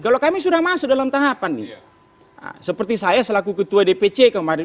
kalau kami sudah masuk dalam tahapan nih seperti saya selaku ketua dpc kemarin